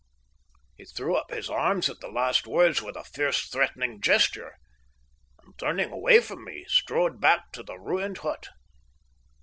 He threw up his arms at the last words with a fierce, threatening gesture, and, turning away from me, strode back to the ruined hut.